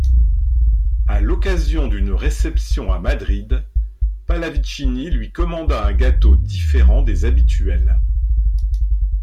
À l'occasion d'une réception à Madrid, Pallavicini lui commanda un gâteau différent des habituels.